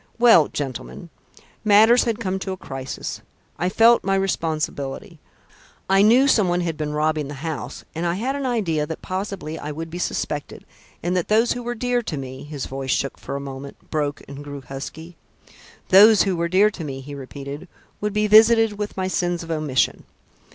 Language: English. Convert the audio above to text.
"Well, gentlemen, matters had come to a crisis. I felt my responsibility. I knew somebody had been robbing the house and I had an idea that possibly I would be suspected, and that those who were dear to me" his voice shook for a moment, broke, and grew husky "those who were dear to me," he repeated, "would be visited with my sins of omission.